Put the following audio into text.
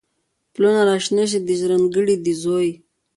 پلونه را شنه شي، د ژرند ګړی د زوی